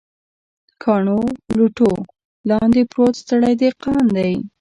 کاڼو، لوټو لاندې پروت ستړی دهقان دی